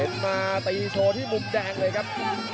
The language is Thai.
อ๋อเห็นมาตีโซที่มุมแดงเลยครับ